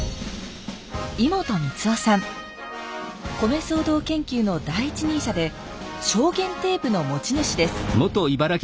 米騒動研究の第一人者で証言テープの持ち主です。